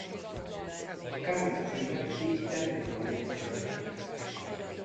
A káni címet így Temür Malik örökölte.